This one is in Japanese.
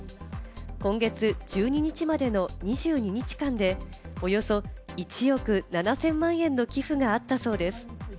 今月１２日までの２２日間でおよそ１億７０００万円の寄付があったそうです。